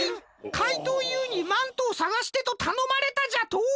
かいとうＵにマントをさがしてとたのまれたじゃと！？